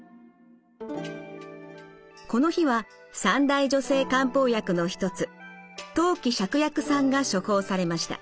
この日は三大女性漢方薬の一つ当帰芍薬散が処方されました。